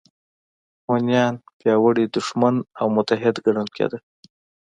هونیان پیاوړی دښمن او متحد ګڼل کېده